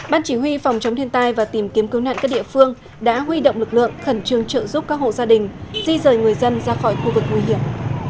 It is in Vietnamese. ban chỉ huy phòng chống thiên tai và tìm kiếm cứu nạn các địa phương đã huy động lực lượng khẩn trương trợ giúp các hộ gia đình di rời người dân ra khỏi khu vực nguy hiểm